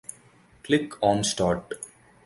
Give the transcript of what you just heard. Click on Start.